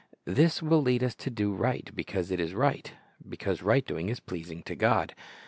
This will lead us to do right because it is right, — because right doing is pleasing to God.